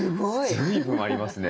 随分ありますね。